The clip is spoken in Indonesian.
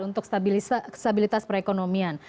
untuk stabilitas perekonomian